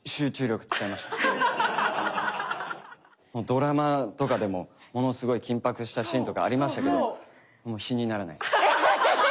ドラマとかでもものすごい緊迫したシーンとかありましたけど比にならないです。